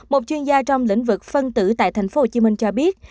một chuyên gia trong lĩnh vực phân tử tại tp hcm cho biết